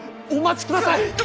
お待ちください！